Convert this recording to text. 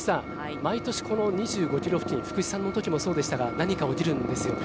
毎年この２５キロ付近に福士さんの時もそうでしたが何か起きるんですよね。